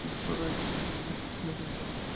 বসন্ত রায় কিয়ৎপরিমাণে নিশ্চিন্ত হইয়া ফিরিয়া গেলেন।